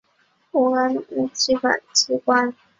乌干达议会是乌干达的国家立法机关。